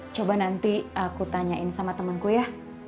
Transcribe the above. coba nanti aku tanyain sama temenku ya